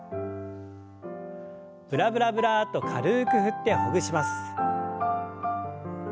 ブラブラブラッと軽く振ってほぐします。